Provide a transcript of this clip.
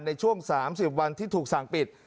ในช่วง๓๐วันที่ถูกสั่งปิด